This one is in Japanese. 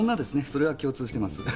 それは共通してます。